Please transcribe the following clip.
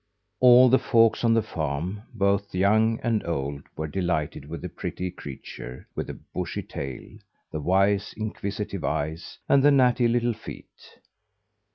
All the folks on the farm both young and old were delighted with the pretty creature with the bushy tail, the wise, inquisitive eyes, and the natty little feet.